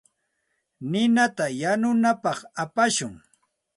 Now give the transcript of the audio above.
Ninata yanunapaq apashun.